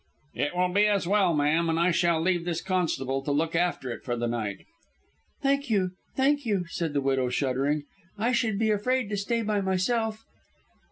"It will be as well, ma'am, and I shall leave this constable to look after it for the night." "Thank you, thank you," said the widow, shuddering. "I should be afraid to stay by myself."